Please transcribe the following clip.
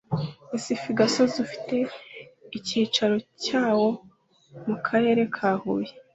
esth gasogi ufite icyicaro cyawo mu karere ka huye